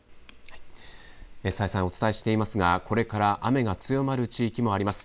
再三お伝えしていますがこれから雨が強まる地域もあります。